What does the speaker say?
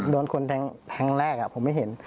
โดนคนแทงแรกผมไม่เห็น